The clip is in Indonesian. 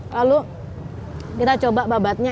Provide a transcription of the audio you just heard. lalu kita coba babatnya